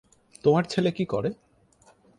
তোমার ছেলে কি করে?